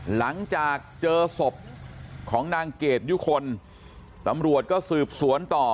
หลังจากเจอศพของนางเกดยุคลตำรวจก็สืบสวนต่อ